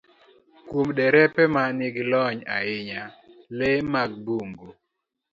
Kuom derepe ma nigi lony ahinya, le mag bungu